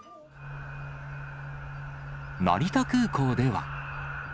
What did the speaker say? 成田空港では。